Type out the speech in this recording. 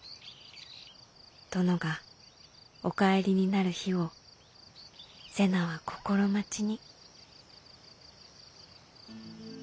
殿がお帰りになる日を瀬名は心待ちに」。